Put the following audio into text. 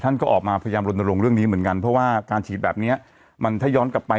ก็ออกมาพยายามลนลงเรื่องนี้เหมือนกันเพราะว่าการฉีดแบบเนี้ยมันถ้าย้อนกลับไป